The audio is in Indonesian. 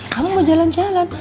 kamu mau jalan jalan